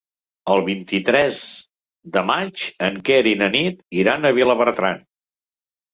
El vint-i-tres de maig en Quer i na Nit iran a Vilabertran.